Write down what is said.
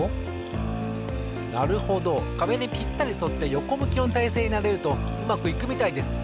なるほどかべにぴったりそってよこむきのたいせいになれるとうまくいくみたいです。